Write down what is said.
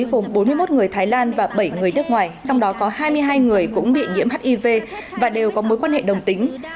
nhiều trường hợp phổng bốn mươi một người thái lan và bảy người nước ngoài trong đó có hai mươi hai người cũng bị nhiễm hiv và đều có mối quan hệ đồng tính